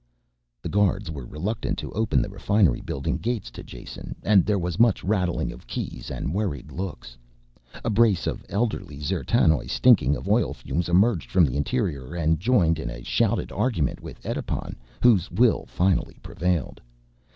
The guards were reluctant to open the refinery building gates to Jason, and there was much rattling of keys and worried looks. A brace of elderly D'zertanoj, stinking of oil fumes, emerged from the interior and joined in a shouted argument with Edipon whose will finally prevailed.